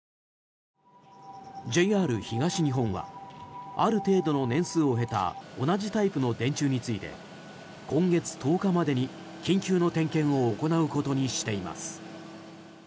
ＪＲ東日本はある程度の年数を経た同じタイプの電柱について今月１０日までに緊急の点検を行うことにしています。